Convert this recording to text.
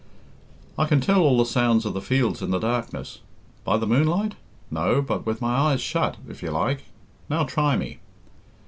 "I can tell all the sounds of the fields in the darkness. By the moonlight? No; but with my eyes shut, if you like. Now try me."